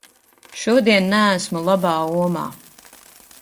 Šodien neesmu labā omā.